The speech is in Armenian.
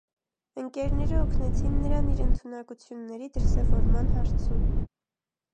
Ընկերները օգնեցին նրան իր ընդունակությունների դրսևորման հարցում։